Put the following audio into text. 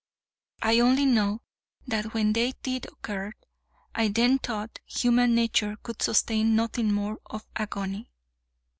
I only know, that when they did occur, I then thought human nature could sustain nothing more of agony.